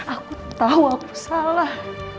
aku tau aku salah